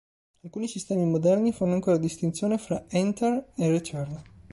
Alcuni sistemi moderni fanno ancora distinzione fra "Enter" e "Return".